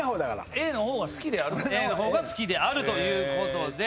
Ａのほうが好きであるということで。